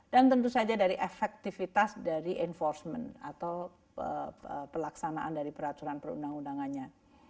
dan tentu saja dari efektivitas dari enforcement atau pelaksanaan dari peraturan perundang undangannya